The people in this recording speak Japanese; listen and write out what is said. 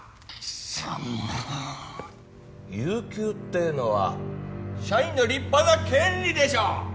貴様有給っていうのは社員の立派な権利でしょ？